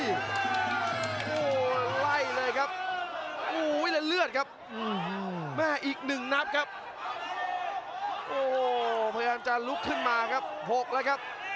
นี่ครับหัวมาเจอแบบนี้เลยครับวงในของพาราดอลเล็กครับ